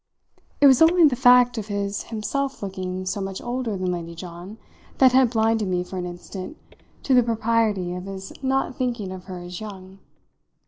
It was only the fact of his himself looking so much older than Lady John that had blinded me for an instant to the propriety of his not thinking of her as young.